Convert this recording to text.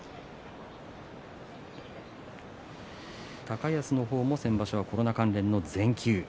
高安の方も先場所はコロナ関連の全休。